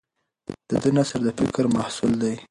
د ده نثر د فکر محصول دی.